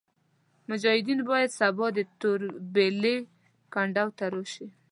مجاهدین باید سبا د توربېلې کنډو ته راشي.